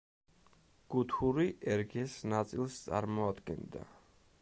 გუთური ერგეს ნაწილს წარმოადგენდა.